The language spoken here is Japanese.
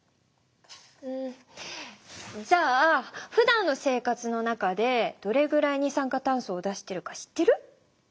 うんじゃあふだんの生活の中でどれくらい二酸化炭素を出しているか知ってる？